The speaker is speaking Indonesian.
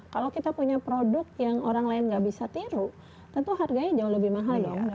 kalau kita punya produk yang orang lain nggak bisa tiru tentu harganya jauh lebih mahal dong